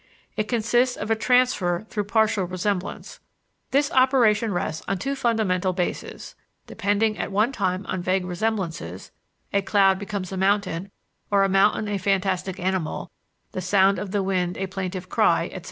It consists of a transfer through partial resemblance. This operation rests on two fundamental bases depending at one time on vague resemblances (a cloud becomes a mountain, or a mountain a fantastic animal; the sound of the wind a plaintive cry, etc.)